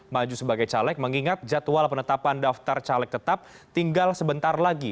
maju sebagai caleg mengingat jadwal penetapan daftar caleg tetap tinggal sebentar lagi